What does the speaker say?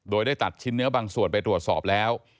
โดยได้ตัดชิ้นเนื้อบางส่วนไปตรวจสอบแล้ว